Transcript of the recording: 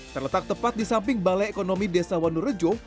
terletak tepat di samping balai ekonomi desa wanurejo